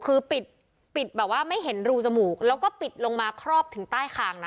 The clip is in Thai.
คือปิดปิดแบบว่าไม่เห็นรูจมูกแล้วก็ปิดลงมาครอบถึงใต้คางนะ